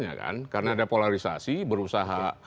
ya kan karena ada polarisasi berusaha